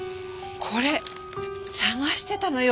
これ捜してたのよ。